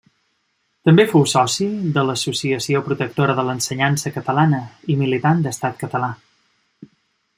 També fou soci de l'Associació Protectora de l'Ensenyança Catalana i militant d'Estat Català.